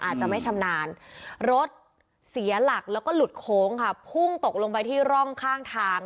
อาจจะไม่ชำนาญรถเสียหลักแล้วก็หลุดโค้งค่ะพุ่งตกลงไปที่ร่องข้างทาง